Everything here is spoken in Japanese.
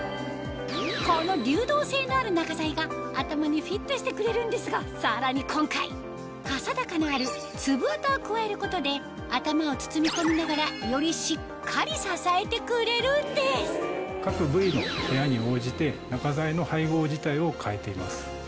この流動性のある中材が頭にフィットしてくれるんですがさらに今回かさ高のある粒わたを加えることで頭を包み込みながらよりしっかり支えてくれるんです各部位の部屋に応じて中材の配合自体を変えています。